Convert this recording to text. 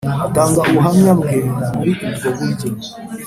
atanga ubuhamya bwe muri ubwo buryo